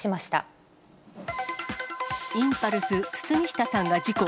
インパルス・堤下さんが事故。